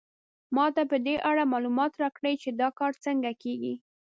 ما ته په دې اړه معلومات راکړئ چې دا کار څنګه کیږي